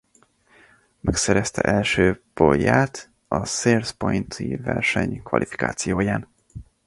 Megszerezte első pole-ját a Sears Point-i verseny kvalifikációján.